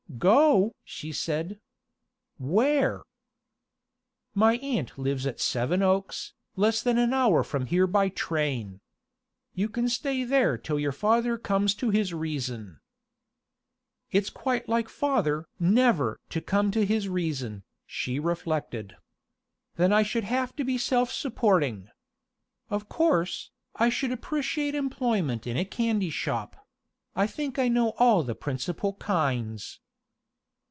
"Go?" she said. "Where?" "My aunt lives at Seven Oaks, less than an hour from here by train. You can stay there till your father comes to his reason." "It's quite like father never to come to his reason," she reflected. "Then I should have to be self supporting. Of course, I should appreciate employment in a candy shop I think I know all the principal kinds."